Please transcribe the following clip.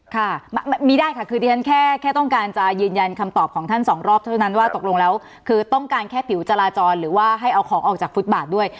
ค่ะมีได้ค่ะคือที่ฉันแค่ต้องการจะยืนยันคำตอบของท่านสองรอบเท่านั้นว่าตกลงแล้วคือต้องการแค่ผิวจราจรหรือว่าให้เอาของออกจากฟุตบาทด้วย